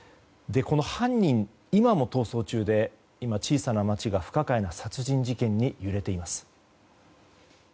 犯人、今も逃走中で小さな街が不可解な殺人事件に揺れています。